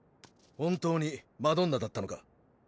本当にマドンナだったのか？